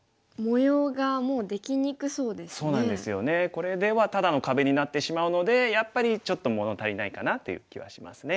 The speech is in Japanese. これではただの壁になってしまうのでやっぱりちょっと物足りないかなという気はしますね。